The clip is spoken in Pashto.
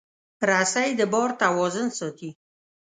رسۍ د بار توازن ساتي.